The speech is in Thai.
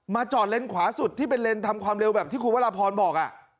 จอดเลนขวาสุดที่เป็นเลนส์ทำความเร็วแบบที่คุณวรพรบอก